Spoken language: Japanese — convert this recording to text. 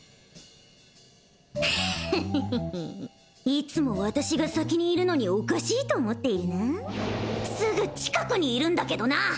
いつも私が先にいるのにおかしいと思っているなすぐ近くにいるんだけどな！